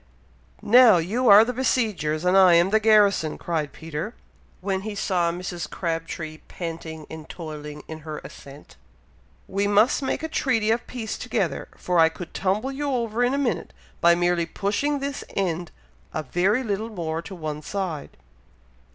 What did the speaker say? "Now, you are the besiegers, and I am the garrison!" cried Peter, when he saw Mrs. Crabtree panting and toiling in her ascent. "We must make a treaty of peace together, for I could tumble you over in a minute, by merely pushing this end a very little more to one side!"